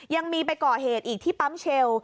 ยังมีไปก่อเหตุอีกที่ปั๊มเชล